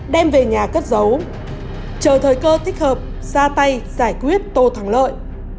đem về nhà cất giấu chờ thời cơ thích hợp ra tay giải quyết tô thắng lợi